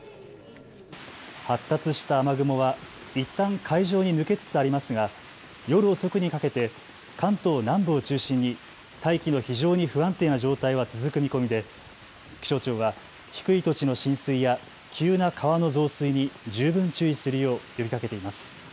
発達した雨雲はいったん海上に抜けつつありますが夜遅くにかけて関東南部を中心に大気の非常に不安定な状態は続く見込みで気象庁は低い土地の浸水や急な川の増水に十分注意するよう呼びかけています。